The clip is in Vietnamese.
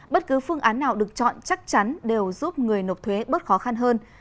bất cứ phương án nào được chọn chắc chắn đều giúp người nộp thuế bớt khó khăn hơn